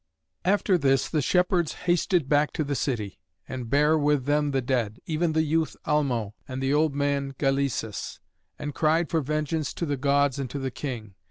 After this the shepherds hasted back to the city, and bare with them the dead, even the youth Almo and the old man Galæsus, and cried for vengeance to the Gods and to the king.